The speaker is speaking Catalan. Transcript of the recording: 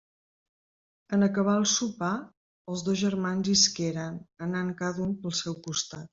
En acabar el sopar, els dos germans isqueren, anant cada un pel seu costat.